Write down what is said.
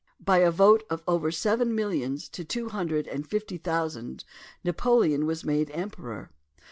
By a vote of over seven millions to two hundred and fifty thousand Napoleon was made emperor.